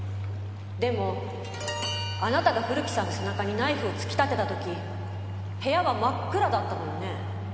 でもあなたが古木さんの背中にナイフを突き立てた時部屋は真っ暗だったのよね？